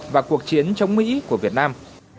và cuộc chiến chống mỹ của việt nam